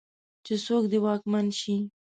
چې څوک دې واکمن شي.